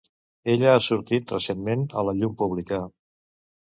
Ella ha sortit recentment a la llum pública.